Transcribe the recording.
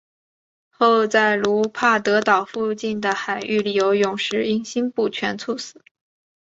后在卢帕德岛附近的海域里游泳时因心不全猝死。